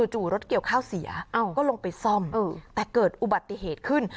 จู่รถเกี่ยวข้าวเสียก็ลงไปซ่อมแต่เกิดอุบัติเหตุขึ้น